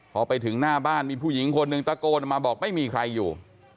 พอไปถึงหน้าบ้านมีผู้หญิงคนหนึ่งตะโกนออกมาบอกไม่มีใครอยู่